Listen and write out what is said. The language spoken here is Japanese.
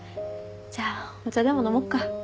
じゃあお茶でも飲もっか。